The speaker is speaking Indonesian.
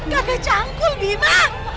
gagal canggul bima